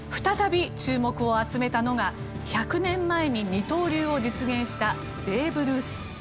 再び注目を集めたのが１００年前に二刀流を実現したベーブ・ルース。